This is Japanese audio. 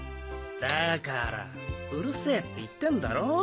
だからうるせぇっていってんだろ？